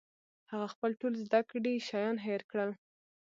هغه خپل ټول زده کړي شیان هېر کړل